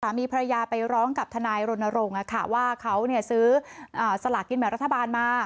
สามีภรรยาไปร้องกับทนายรณรงค์ว่าเขาซื้อสลากกินแบบรัฐบาลมา